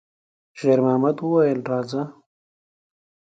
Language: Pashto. شېرمحمد وویل: «راځه!»